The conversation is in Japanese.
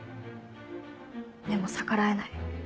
でも逆らえない。